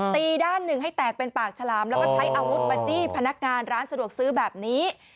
ตีด้านหนึ่งให้แตกเป็นปากฉลามแล้วก็ใช้อาวุธมาจี้พนักงานร้านสะดวกซื้อแบบนี้